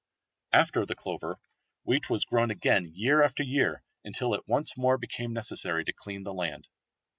After the clover, wheat was grown again year after year until it once more became necessary to clean the land.